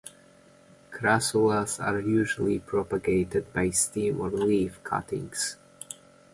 Crassulas are usually propagated by stem or leaf cuttings.